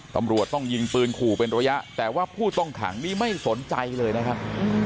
ตำรวจต้องยิงปืนขู่เป็นระยะแต่ว่าผู้ต้องขังนี่ไม่สนใจเลยนะครับ